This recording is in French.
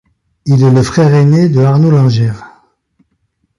Il est le frère aîné de Arnaud Langer.